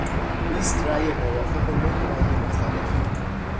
بیست رای موافق و نه رای مخالف